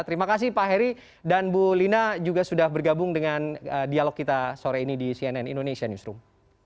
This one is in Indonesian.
terima kasih pak heri dan bu lina juga sudah bergabung dengan dialog kita sore ini di cnn indonesia newsroom